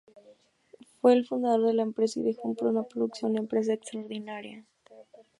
Fue el fundador de la empresa y dejó una producción impresa extraordinaria.